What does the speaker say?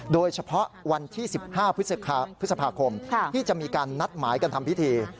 โดยเฉพาะวันที่๑๕พฤษภาคมที่จะมีการนัดหมายกันทำพิธี